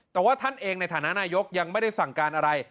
แต่ว่าท่านเองในฐานะนายกยังไม่ได้สั่งการอะไร